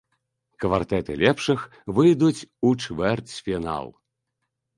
Квартэты лепшых выйдуць у чвэрцьфінал.